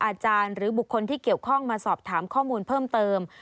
อาจารย์หรือบุคคลที่เกี่ยวข้องมาสอบถามข้อมูลเพิ่มเติม